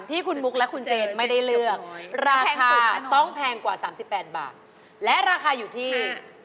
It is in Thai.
ที่คุณมุกและคุณเจนไม่ได้เลือกราคาสุดต้องแพงกว่า๓๘บาทและราคาอยู่ที่